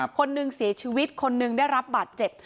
คนหนึ่งเสียชีวิตคนหนึ่งได้รับบาดเจ็บ